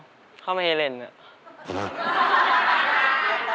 เพราะอะไรทำไมเราไม่วิ่งไวอย่างเขา